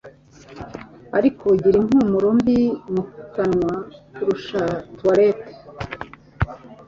ariko agira impumuro mbi mu kanwa kurusha toilette.